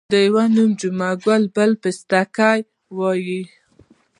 د یوه نوم جمعه ګل بل پستکی وو.